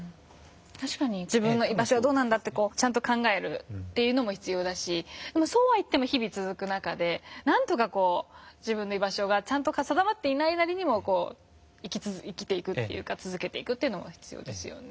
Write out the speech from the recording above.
「自分の居場所はどうなんだ」とちゃんと考えるのも必要だしそうは言っても日々続く中で何とか自分の居場所がちゃんと定まっていないなりにも生きていくというか続けていくというのが必要ですよね。